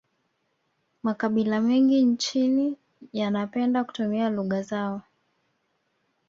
makabila mengi nchini yanapende kutumia lugha zao